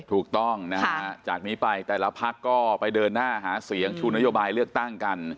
ถูกต้องนะฮะจากนี้ไปแต่ละพักก็ไปเดินหน้าหาเสียงชูนโยบายเลือกตั้งกัน